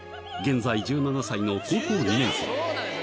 現在１７歳の高校２年生。